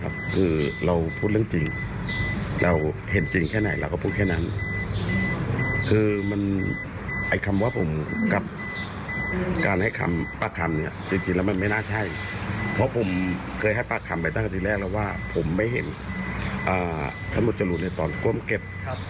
เดิมเข้าสู่มาเห็นคนก้มเก็บ